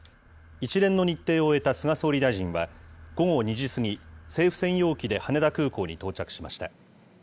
一連の日程を終えた菅総理大臣は、午後２時過ぎ、政府専用機で羽田空港に到着しました。